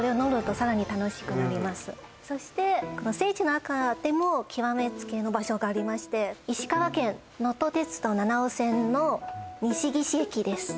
そして聖地の中でも極めつきの場所がありまして石川県のと鉄道七尾線の西岸駅です